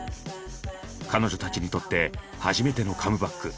彼女たちにとって初めての「カムバック」。